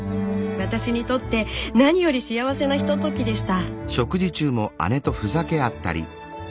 私にとって何より幸せなひとときでした。